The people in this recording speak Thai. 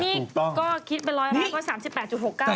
นี่ก็คิดไปร้อยมากว่า๓๘๖๙ของข้างบนเลย